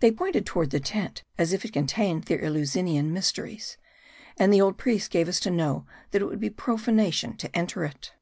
They ' pointed toward the tent, as if it contained their Eleusinian mysteries. And the old priest gave us to know, that it would be profanation to enter it.